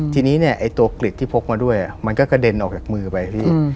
ทีนี้เนี่ยไอ้ตัวกลิดที่พกมาด้วยมันก็กระเด็นออกจากมือไปพี่